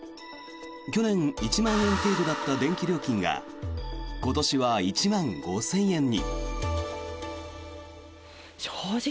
去年、１万円程度だった電気料金が今年は１万５０００円に。